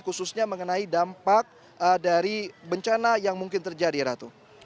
khususnya mengenai dampak dari bencana yang mungkin terjadi ratu